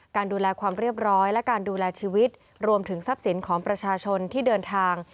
การดูแลความเรียบร้อยและการดูแลชีวิตรวมถึงทรัพย์สินของประชาชนที่เดินทาง